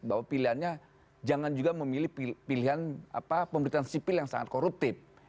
bahwa pilihannya jangan juga memilih pilihan pemerintahan sipil yang sangat koruptif